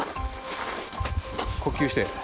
呼吸して。